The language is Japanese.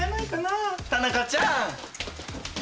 あ田中ちゃん。